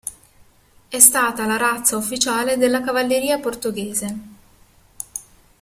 È stata la razza ufficiale della cavalleria Portoghese.